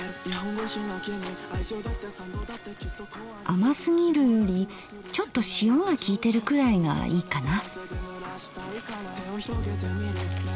甘すぎるよりちょっと塩がきいてるくらいがいいかな。